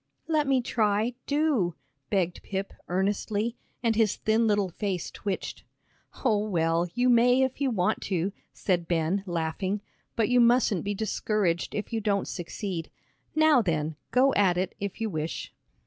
"Let me try, do," begged Pip, earnestly, and his thin little face twitched. "Oh, well, you may if you want to," said Ben, laughing; "but you mustn't be discouraged if you don't succeed. Now then, go at it if you wish."